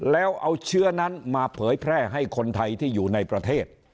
แล้วเอาเชื้อนั้นมาเผยแพร่ให้คนไทยที่อยู่ในประเทศ